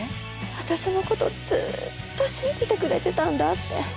私のことずっと信じてくれてたんだって。